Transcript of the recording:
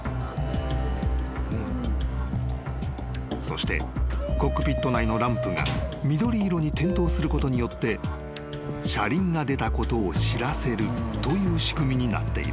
［そしてコックピット内のランプが緑色に点灯することによって車輪が出たことを知らせるという仕組みになっている］